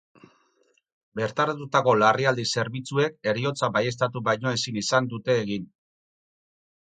Bertaratutako larrialdi zerbitzuek heriotza baieztatu baino ezin izan dute egin.